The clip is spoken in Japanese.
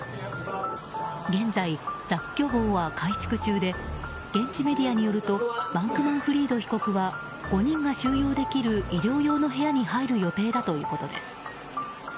現在、雑居房は改築中で現地メディアによるとバンクマンフリード被告は５人が収容できる医療用の部屋に入る予定だということです。